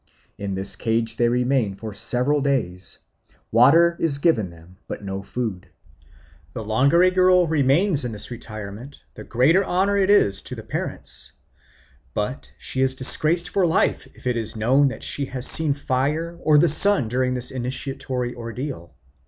In this cage they remain for several days. Water is given them, but no food. The longer a girl remains in this retirement the greater honour is it to the parents; but she is disgraced for life if it is known that she has seen fire or the sun during this initiatory ordeal."